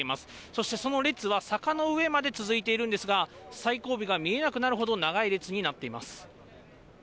そしてその列は坂の上まで続いているんですが、最後尾が見えなくなるほど長い列になっています。